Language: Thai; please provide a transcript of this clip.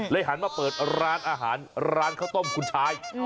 หันมาเปิดร้านอาหารร้านข้าวต้มคุณชาย